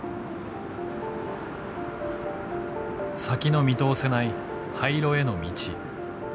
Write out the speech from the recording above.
先の見通せない廃炉への道。